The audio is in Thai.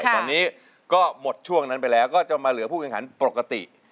ตอนนี้ก็หมดช่วงนั้นไปแล้วก็จะมาเหลือผู้แข่งขันปกติ